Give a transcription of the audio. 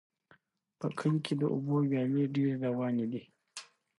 په کلي کې د اوبو ویالې ډېرې روانې دي.